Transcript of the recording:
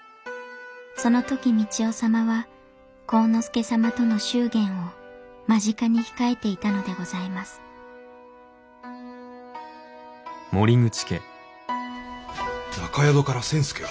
その時三千代様は晃之助様との祝言を間近に控えていたのでございます中宿から千助が？